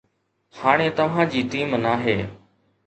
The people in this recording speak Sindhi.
هاڻي توهان جي ٽيم ناهي